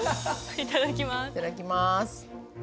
いただきます。